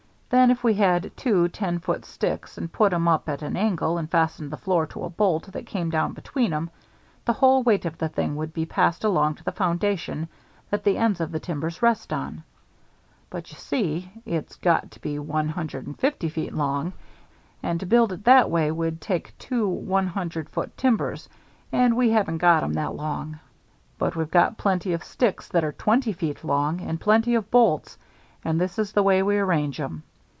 Then if we had two ten foot sticks and put 'em up at an angle and fastened the floor to a bolt that came down between 'em, the whole weight of the thing would be passed along to the foundation that the ends of the timbers rest on. But you see, it's got to be one hundred and fifty feet long, and to build it that way would take two one hundred foot timbers, and we haven't got 'em that long. [Illustration: HE WAS DRAWING LINES ACROSS THE TIMBER] "But we've got plenty of sticks that are twenty feet long, and plenty of bolts, and this is the way we arrange 'em.